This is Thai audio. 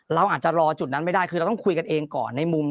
เราอาจจะรอจุดนั้นไม่ได้คือเราต้องคุยกันเองก่อนในมุม